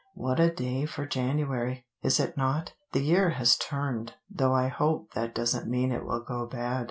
What a day for January, is it not? The year has turned, though I hope that doesn't mean it will go bad.